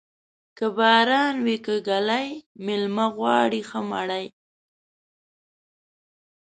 که باران وې که ږلۍ، مېلمه غواړي ښه مړۍ.